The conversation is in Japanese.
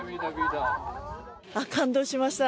感動しました。